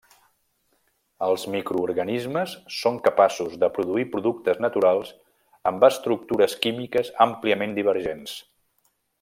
Els microorganismes són capaços de produir productes naturals amb estructures químiques àmpliament divergents.